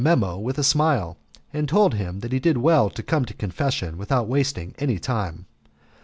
Memmo with a smile, and told him he did well to come to confession without wasting any time.